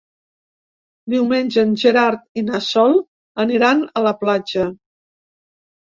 Diumenge en Gerard i na Sol aniran a la platja.